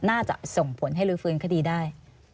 น่าจะส่งผลให้ลื้อฟื้นคดีได้